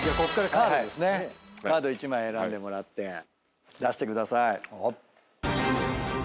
カード１枚選んでもらって出してください。